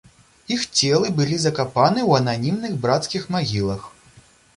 Іх целы былі закапаны ў ананімных брацкіх магілах.